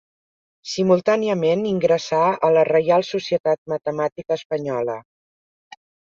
Simultàniament ingressà a la Reial Societat Matemàtica Espanyola.